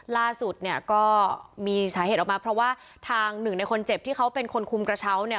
ล่าสุดเนี่ยก็มีสาเหตุออกมาเพราะว่าทางหนึ่งในคนเจ็บที่เขาเป็นคนคุมกระเช้าเนี่ย